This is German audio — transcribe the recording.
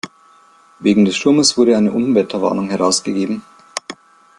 Wegen des Sturmes wurde eine Unwetterwarnung herausgegeben.